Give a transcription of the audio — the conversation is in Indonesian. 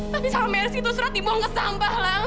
tapi soal meris itu surat dibuang ke sampah lang